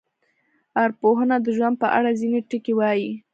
ارواپوهنه د ژوند په اړه ځینې ټکي وایي.